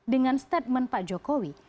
dengan statement pak jokowi